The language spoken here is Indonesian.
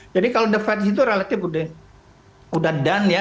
jadi kalau the fed itu relatif udah done ya